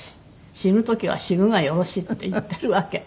「死ぬ時は死ぬがよろし」って言ってるわけ。